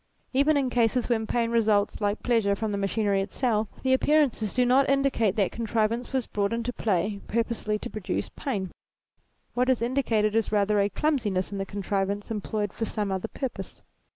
Even in cases when pain results, like pleasure, from the machinery itself, the appear ances do not indicate that contrivance was brought into play purposely to produce pain : what is indi cated is rather a clumsiness in the contrivance em ployed for some other purpose.